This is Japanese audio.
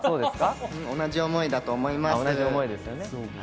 同じ思いだと思います。